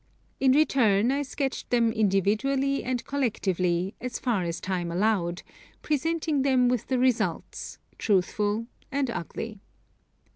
In return I sketched them individually and collectively as far as time allowed, presenting them with the results, truthful and ugly.